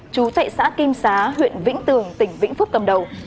chú tệ xã kim xá huyện vĩnh tường tỉnh vĩnh phúc cầm đầu